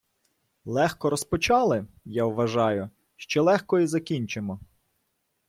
Легко розпочали, я вважаю, що легко і закінчимо.